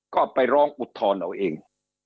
ก็ไปร้องอุทธรณ์เอาเอง